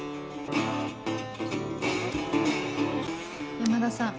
山田さん